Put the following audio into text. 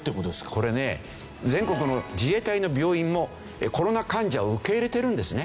これね全国の自衛隊の病院もコロナ患者を受け入れてるんですね。